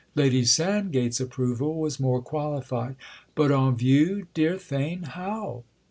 Lady Sandgate's approval was more qualified. "But on view, dear Theign, how?"